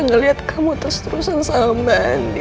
ngelihat kamu terserusan sama andin